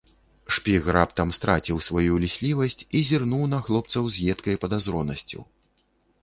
Шпіг раптам страціў сваю ліслівасць і зірнуў на хлопцаў з едкай падазронасцю.